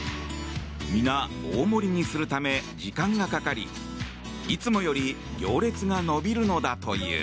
皆、大盛りにするため時間がかかりいつもより行列が延びるのだという。